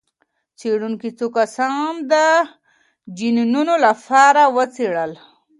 څېړونکو څو کسان د جینونو لپاره وڅېړل.